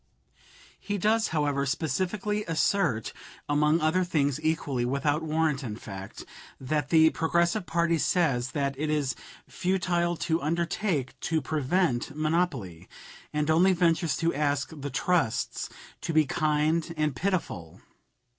He does, however, specifically assert (among other things equally without warrant in fact) that the Progressive party says that it is "futile to undertake to prevent monopoly," and only ventures to ask the trusts to be "kind" and "pitiful"!